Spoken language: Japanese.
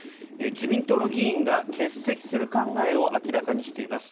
自民党の議員が欠席する考えを明らかにしています。